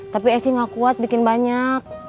tapi esnya nggak kuat bikin banyak